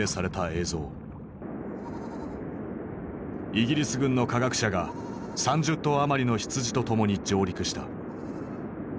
イギリス軍の科学者が３０頭余りの羊と共に上陸した。